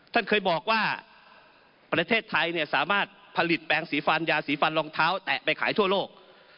ท่านเคยบอกว่าประเทศไทยสามารถผลิตแปลงสีฟันยาสีฟันรองเท้าแตะไปขายทั่วโลก